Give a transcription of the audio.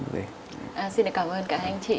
vâng xin cảm ơn cả hai anh chị